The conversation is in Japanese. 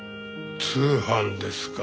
通販ですか。